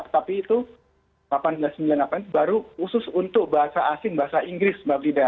tapi itu seribu delapan ratus delapan puluh sembilan baru khusus untuk bahasa asing bahasa inggris mbak brida